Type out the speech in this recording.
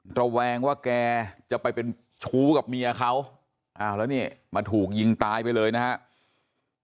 ระแวงว่าแกจะไปเป็นชู้กับเมียเขาอ้าวแล้วนี่มาถูกยิงตายไปเลยนะครับ